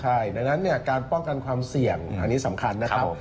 ใช่ดังนั้นเนี่ยการป้องกันความเสี่ยงอันนี้สำคัญนะครับ